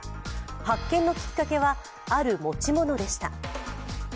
発見のきっかけはある持ち物でした。